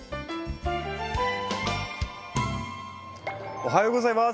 おはようございます！